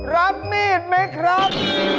รับมีดไหมครับ